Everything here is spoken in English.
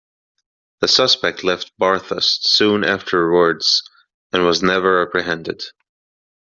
The suspect left Bathurst soon afterwards and was never apprehended.